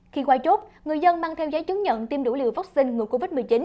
khi qua chốt người dân mang theo giấy chứng nhận tiêm đủ liều vaccine ngừa covid một mươi chín